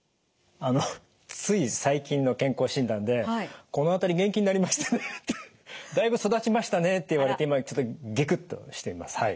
あのつい最近の健康診断で「この辺り元気になりましたね」って「だいぶ育ちましたね」って言われて今ちょっとギクッとしています。